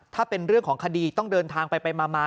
ถ้าเป็นเรื่องของคดีต้องเดินทางไปมา